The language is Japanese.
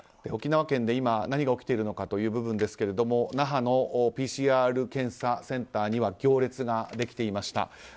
沖縄県で今、何が起きているかという部分ですが那覇のＰＣＲ検査センターには行列ができていました。